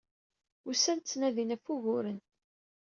Usan-d, ttnadin ɣef wuguren.